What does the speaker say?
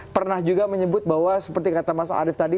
pernah juga menyebut bahwa seperti kata mas arief tadi